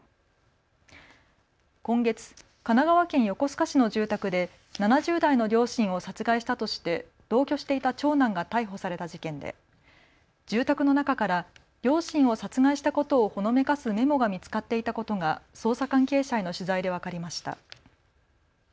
今月、神奈川県横須賀市の住宅で７０代の両親を殺害したとして同居していた長男が逮捕された事件で住宅の中から両親を殺害したことをほのめかすメモが見つかっていたことが捜査関係者への取材で分かりました。